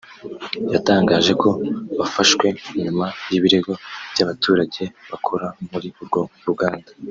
yatangaje ko bafashwe nyuma y’ibirego by’abaturage bakora muri urwo ruganda